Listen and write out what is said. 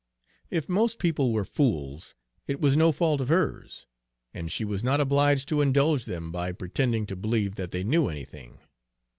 If most people were fools, it was no fault of hers, and she was not obliged to indulge them by pretending to believe that they knew anything.